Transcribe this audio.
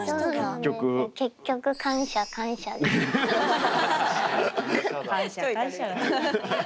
結局感謝感謝です。